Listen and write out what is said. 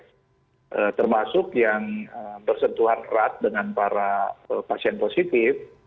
termasuk yang bersentuhan erat dengan para pasien positif